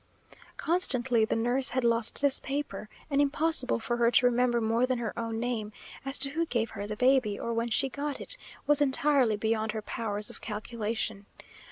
Constantly the nurse had lost this paper, and impossible for her to remember more than her own name; as to who gave her the baby, or when she got it, was entirely beyond her powers of calculation.